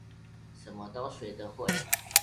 什麼都學得會